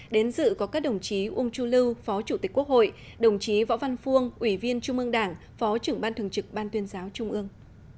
đến dự có các đồng chí uông chu lưu phó chủ tịch quốc hội đồng chí võ văn phuông ủy viên trung ương đảng phó trưởng ban thường trực ban tuyên giáo trung ương